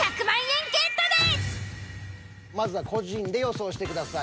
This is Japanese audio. まずは個人で予想してください。